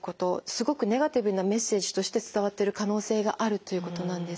すごくネガティブなメッセージとして伝わってる可能性があるということなんです。